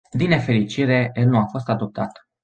Din nefericire, el nu a fost adoptat.